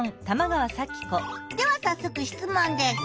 ではさっそく質問です。